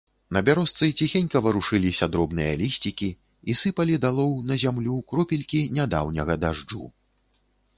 На бярозцы ціхенька варушыліся дробныя лісцікі і сыпалі далоў, на зямлю, кропелькі нядаўняга дажджу.